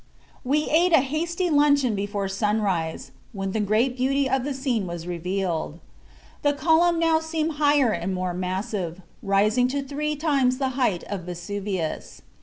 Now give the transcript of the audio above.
"We ate a hasty luncheon before sunrise, when the great beauty of the scene was revealed. The column now seemed higher and more massive, rising to three times the height of Vesuvius.